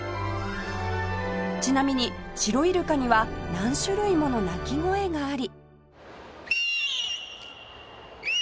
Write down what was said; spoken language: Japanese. ちなみにシロイルカには何種類もの鳴き声があり